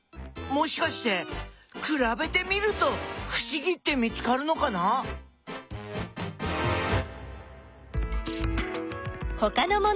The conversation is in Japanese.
もしかしてくらべてみるとふしぎって見つかるのかな？